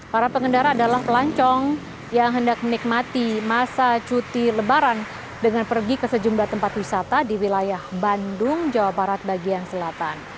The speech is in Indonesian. para pengendara adalah pelancong yang hendak menikmati masa cuti lebaran dengan pergi ke sejumlah tempat wisata di wilayah bandung jawa barat bagian selatan